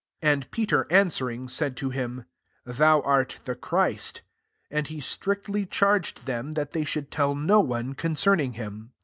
And Peter answer ing, said to him, " Thou art the Christ. *S0 And he strictly charged them that they should tell no one concerning him.